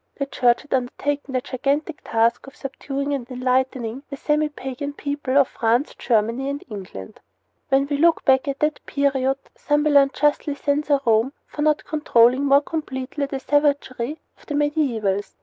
The Church had undertaken the gigantic task of subduing and enlightening the semi pagan peoples of France and Germany and England. When we look back at that period some will unjustly censure Rome for not controlling more completely the savagery of the medievals.